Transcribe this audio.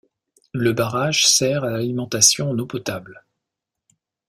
Le barrage sert à l'alimentation en eau potable.